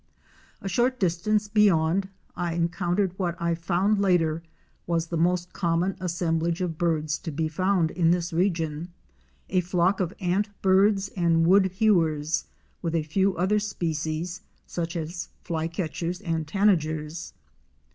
A short distance beyond I encountered what I found later was the most common assemblage of birds to be found in this region—a flock of Antbirds and Wood hewers, with a few other species, such as Flycatchers and Tanagers.